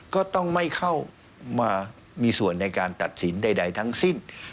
ก็ต้องไม่เข้ามามีส่วนในการตัดสินใดทั้งสิ้น